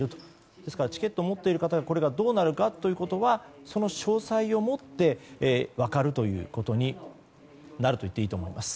ですからチケットを持っている方がどうなるかというのはその詳細をもって分かるということになると言っていいと思います。